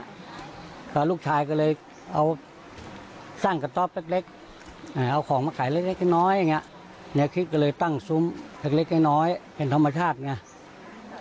ก็ลูกชายก็เลยเอาสร้างกระต๊อบเล็กเอาของมาขายเล็กน้อยอย่างเงี้ยแนวคิดก็เลยตั้งซุ้มเล็กน้อยเป็นธรรมชาติไง